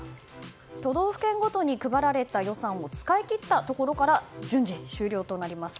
都道府県ごとに配られた予算を使い切ったところから順次終了となります。